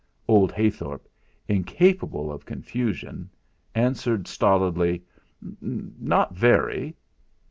Old Heythorp, incapable of confusion, answered stolidly: "Not very."